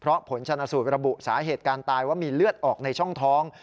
เพราะผลชนะสูตรระบุสาเหตุการตายว่ามีเลือดออกในช่องท้อง